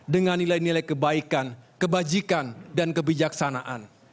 dengan nilai nilai kebaikan kebajikan dan kebijaksanaan